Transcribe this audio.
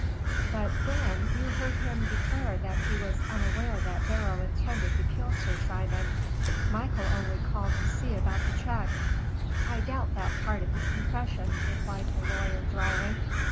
"But, Durham, you heard him declare that he was unaware that Beryl intended to kill Sir Simon. Michael only called to see about the check." "I doubt that part of his confession," replied the lawyer, dryly.